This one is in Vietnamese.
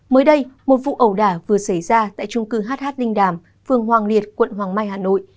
mới đây một vụ ẩu đả vừa xảy ra tại trung cư hh linh đàm phường hoàng liệt quận hoàng mai hà nội